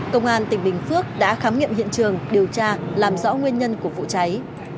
công an tỉnh bình phước đã khám nghiệm hiện trường điều tra làm rõ nguyên nhân của vụ cháy